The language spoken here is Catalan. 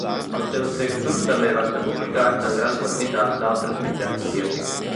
Els seus textos també van ser publicats en gran quantitat d'altres mitjans soviètics.